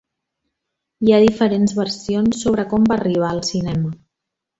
Hi ha diferents versions sobre com va arribar al cinema.